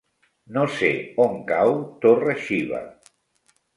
No sé on cau Torre-xiva.